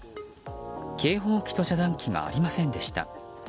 警報機と遮断機がありませんでした。